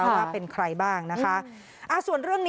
ว่าเป็นใครบ้างนะคะ